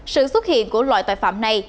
sự xuất hiện của loại tội phạm này